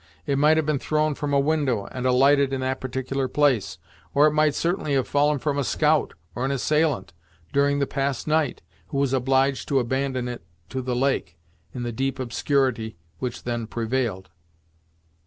It might have been thrown from a window, and alighted in that particular place; or it might certainly have fallen from a scout, or an assailant, during the past night, who was obliged to abandon it to the lake, in the deep obscurity which then prevailed.